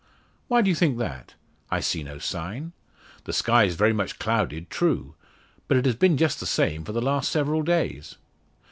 "Why do you think that? I see no sign. The sky's very much clouded true; but it has been just the same for the last several days."